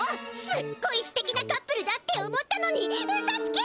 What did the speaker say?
すっごいすてきなカップルだって思ったのにウソつき！